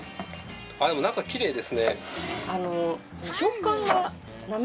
でも中きれいですね。